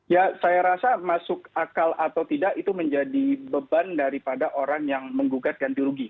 ya saya rasa masuk akal atau tidak itu menjadi beban daripada orang yang menggugat ganti rugi